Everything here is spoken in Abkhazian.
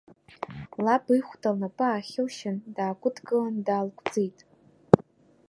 Лаб ихәда лнапы аахылшьын, даагәыдылкылан, даалгәӡит.